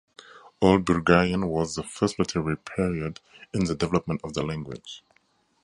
Old Bulgarian was the first literary period in the development of the language.